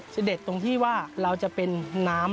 การทอดนี่น้ำมันเราจะเปลี่ยนประมาณ๓๔ครั้งนะครับเพื่อไม่ให้น้ำมันดำ